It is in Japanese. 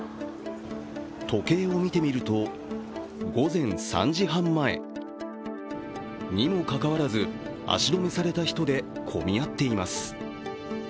時計を見てみると、午前３時半前にもかかわらず、足止めされた人で混み合っています。